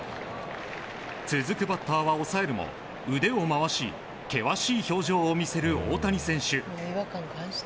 続くバッターは抑えるも腕を回し険しい表情を見せる大谷選手。